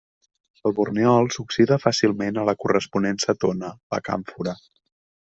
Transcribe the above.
El borneol s'oxida fàcilment a la corresponent cetona, la càmfora.